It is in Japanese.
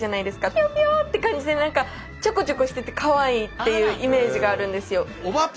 ピヨピヨって感じで何かちょこちょこしててかわいいっていうイメージがあるんですよ。